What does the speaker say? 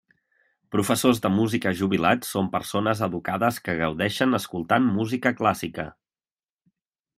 Professors de música jubilats, són persones educades que gaudeixen escoltant música clàssica.